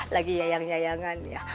lagi yayang yayangan ya